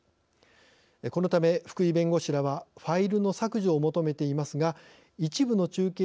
このため福井弁護士らはファイルの削除を求めていますが一部の中継